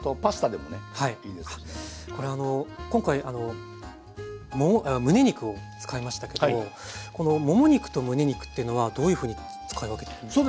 これ今回むね肉を使いましたけどもこのもも肉とむね肉っていうのはどういうふうに使い分けてるんですか？